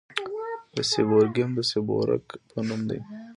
د سیبورګیم د سیبورګ په نوم دی.